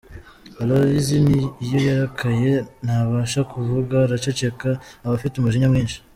Aloys iyo yarakaye ntabasha kuvuga araceceka, aba afite umujinya mwinshi.